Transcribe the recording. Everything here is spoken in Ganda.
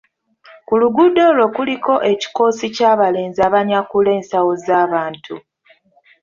Ku luguudo olwo kuliko ekikoosi ky'abalenzi abanyakula ensawo z'abantu.